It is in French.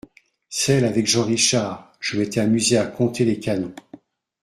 celle avec Jean Richard, je m’étais amusé à compter les canons.